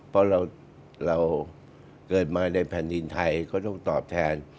เพราะเราเกิดมาในแผ่นดินไทยก็ต้องตอบแทน